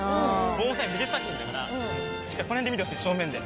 盆栽美術作品だからこの辺で見てほしい正面で。